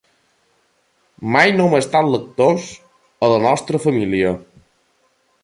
Mai no hem estat lectors, a la nostra família.